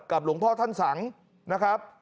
หลวงพ่อท่านสังนะครับ